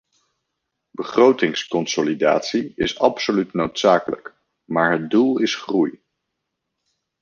Begrotingsconsolidatie is absoluut noodzakelijk, maar het doel is groei.